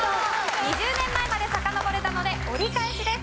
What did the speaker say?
２０年前までさかのぼれたので折り返しです。